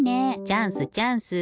チャンスチャンス！